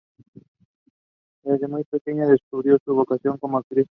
Desde muy pequeña descubrió su vocación como actriz.